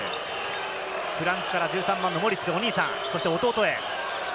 フランツから１３番・モリッツ、お兄さんから弟へ。